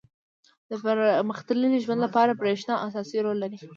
• د پرمختللي ژوند لپاره برېښنا اساسي رول لري.